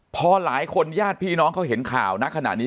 พอหลายคนญาติพี่น้องเขาเห็นข่าวณขณะนี้